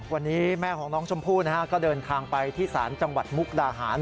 วันนี้แม่ของน้องชมพู่ก็เดินทางไปที่ศาลจังหวัดมุกดาหาร